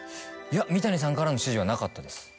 三谷さんからの指示はなかったです